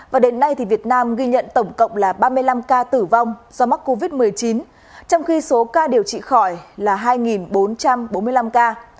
và đến nay việt nam ghi nhận tổng cộng là ba mươi năm ca tử vong do mắc covid một mươi chín trong khi số ca điều trị khỏi là hai bốn trăm bốn mươi năm ca